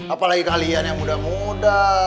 apalagi kalian yang muda muda